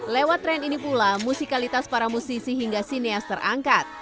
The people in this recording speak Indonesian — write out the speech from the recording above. lewat tren ini pula musikalitas para musisi hingga sineas terangkat